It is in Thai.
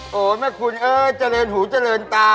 โอ้โหแม่คุณเออเจริญหูเจริญตา